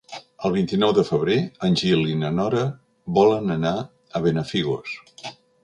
El vint-i-nou de febrer en Gil i na Nora volen anar a Benafigos.